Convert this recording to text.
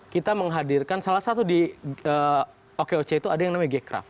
kita menghadirkan salah satu di okoc itu ada yang namanya gcraft